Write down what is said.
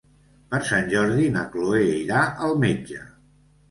Per Sant Jordi na Chloé irà al metge.